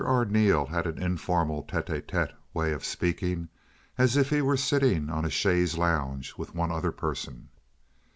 Arneel had an informal, tete a tete way of speaking as if he were sitting on a chaise longue with one other person.